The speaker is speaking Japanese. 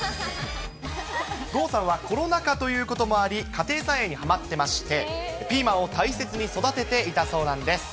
郷さんはコロナ禍ということもあり、家庭菜園にはまってまして、ピーマンを大切に育てていたそうなんです。